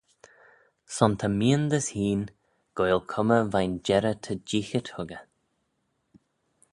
Son ta meeandys hene goaill cummey veih'n jerrey ta jeeaghit huggey.